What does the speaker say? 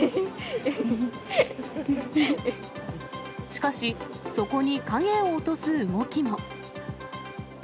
しかし、そこに影を落とす動きも。